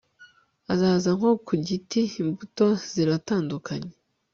Azaza nko ku giti imbuto ziratandukanye